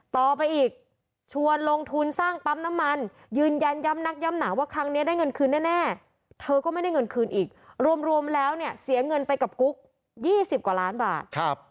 ต่อไปอีกชวนลงทุนสร้างปั๊มน้ำมันยืนยันย้ำนักย้ำหนาว่าครั้งนี้ได้เงินคืนแน่เธอก็ไม่ได้เงินคืนอีกรวมแล้วเนี่ยเสียเงินไปกับกุ๊ก๒๐กว่าล้านบาท